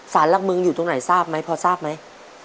สารหลักเมืองอยู่ตรงไหนทราบไหมพอทราบไหม